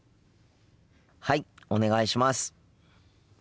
はいお願いします。